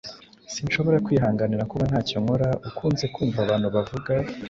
"Sinshobora kwihanganira kuba ntacyo nkora!" ukunze kumva abantu bavuga.